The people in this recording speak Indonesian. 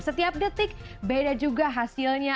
setiap detik beda juga hasilnya